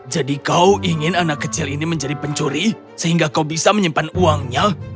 jadi kau ingin anak kecil ini menjadi pencuri sehingga kau bisa menyimpan uangnya